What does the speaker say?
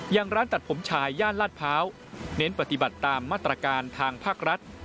อย่างร้านตัดผมชายย่านลาดพร้าวเน้นปฏิบัติตามมาตรการทางภาครัฐ